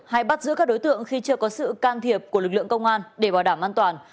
hay bắt giữ các đối tượng khi chưa có sự can thiệp của lực lượng công an để bảo đảm an toàn